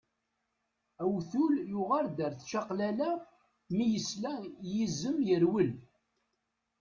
Awtul yuɣal d at čaqlala, mi s-yesla yizem yerwel.